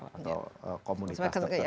atau komunitas tertentu